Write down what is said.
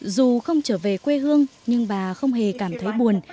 dù không trở về quê hương nhưng bà không hề cảm thấy buồn